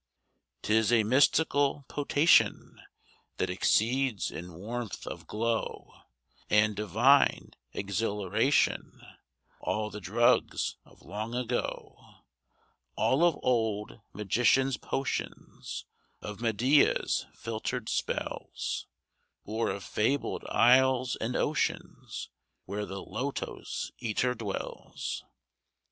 'Tis a mystical potation That exceeds in warmth of glow And divine exhilaration All the drugs of long ago All of old magicians' potions Of Medea's filtered spells Or of fabled isles and oceans Where the Lotos eater dwells!